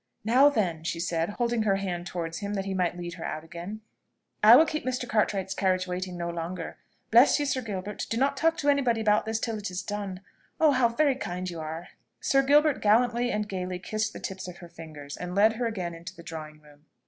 "Now then," she said, holding her hand towards him that he might lead her out again, "I will keep Mr. Cartwright's carriage waiting no longer. Bless you, Sir Gilbert! Do not talk to any body about this till it is done. Oh! how very kind you are!" Sir Gilbert gallantly and gaily kissed the tips of her fingers, and led her again into the drawing room.